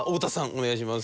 お願いします。